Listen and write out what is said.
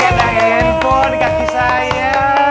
ada handphone di kaki saya